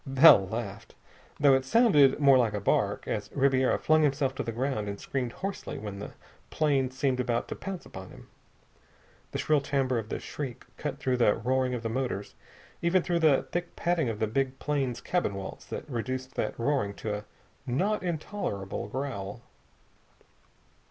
Bell laughed, though it sounded more like a bark, as Ribiera flung himself to the ground and screamed hoarsely when the plane seemed about to pounce upon him. The shrill timbre of the shriek cut through the roaring of the motors, even through the thick padding of the big plane's cabin walls that reduced that roaring to a not intolerable growl.